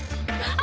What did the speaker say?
あ。